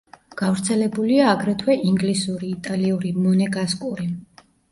გავრცელებულია აგრეთვე: ინგლისური, იტალიური, მონეგასკური.